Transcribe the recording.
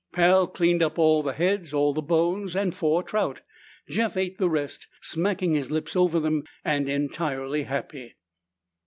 Pal cleaned up all the heads, all the bones, and four trout. Jeff ate the rest, smacking his lips over them and entirely happy.